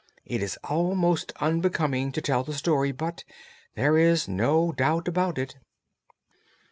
It is almost unbecoming to tell the story, but there is no doubt about it."